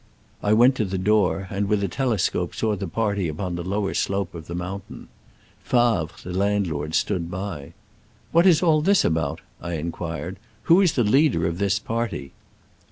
I went to the door, and with a tele scope saw the party upon the lower slopes of the mountain. Favre, the landlord, stood by. "What is all this about?" I inquired: "who is the leader of this party?"